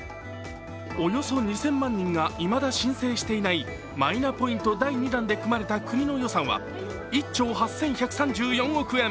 およそ２０００万人がいまだ申請していないマイナポイント第２弾で組まれた国の予算は１兆８１３４億円。